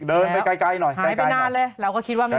โหยวายโหยวายโหยวายโหยวายโหยวายโหยวายโหยวาย